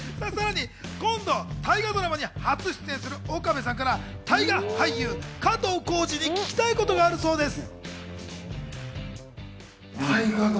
さらに今度、大河ドラマに初出演する岡部さんから大河俳優・加藤浩次に聞きたいことがあるそうです。